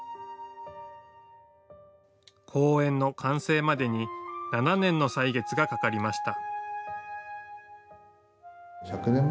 公園の完成までに７年の歳月がかかりました。